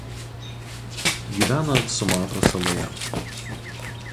Gyvena Sumatros saloje.